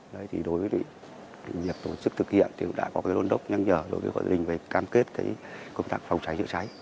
đối với việc tổ chức thực hiện đã có đôn đốc nhăn nhở đối với hội gia đình cam kết công tác phòng cháy chữa cháy